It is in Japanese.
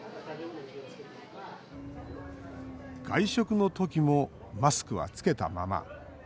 外食の時もマスクはつけたまま。